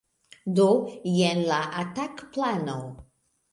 Do, jen la atak-plano